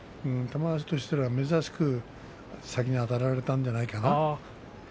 玉鷲としたら珍しく先にあたられたんじゃないかな。